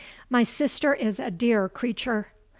My sister is a dear creature.